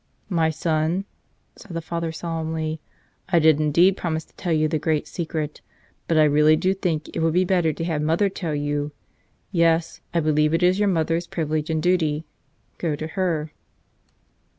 "My son," said the father solemnly, "I did indeed promise to tell you the great secret; but I really do think it would be better to have mother tell you. Yes; I believe it is your mother's privilege and duty. Go to her."